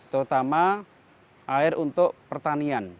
terutama air untuk pertanian